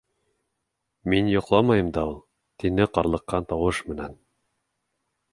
—Мин йоҡламайым да ул, —тине ҡарлыҡҡан тауыш менән.